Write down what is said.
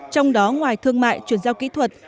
trong đó ngoài thương mại chuyển giao kỹ thuật